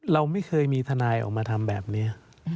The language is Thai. เราไม่เคยมีทนายออกมาทำแบบนี้